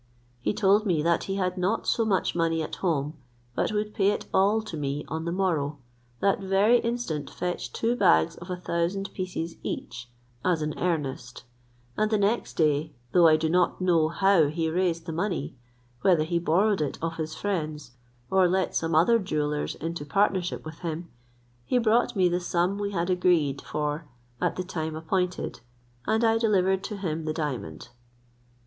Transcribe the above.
He told me that he had not so much money at home, but would pay it all to me on the morrow, that very instant fetched two bags of a thousand pieces each, as an earnest; and the next day, though I do not know how he raised the money, whether he borrowed it of his friends, or let some other jewellers into partnership with him, he brought me the sum we had agreed for at the time appointed, and I delivered to him the diamond.